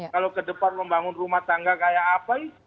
kalau ke depan membangun rumah tangga kayak apa